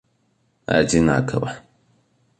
одинаково